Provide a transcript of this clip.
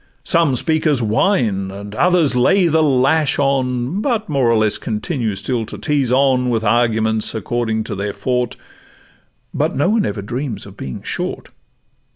Some speakers whine, and others lay the lash on, But more or less continue still to tease on, With arguments according to their 'forte;' But no one dreams of ever being short.